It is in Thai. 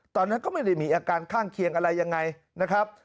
ตอนนั้นก็ไม่ได้มีอาการข้างเคียงอะไรยังไงนะครับ